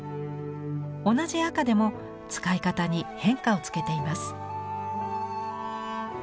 同じ赤でも使い方に変化をつけています。